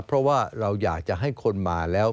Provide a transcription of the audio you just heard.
เพราะว่าเราอยากจะให้คนมาแล้ว